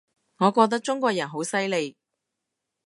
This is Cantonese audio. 我覺得中國人好犀利